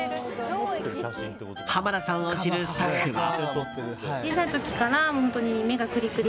濱田さんを知るスタッフは。